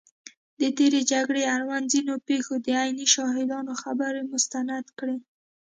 د تېرې جګړې اړوند ځینو پېښو د عیني شاهدانو خبرې مستند کړي